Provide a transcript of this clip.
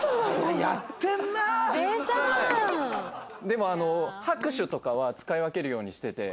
でもあの拍手とかは使い分けるようにしてて。